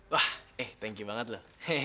wah eh thank you banget loh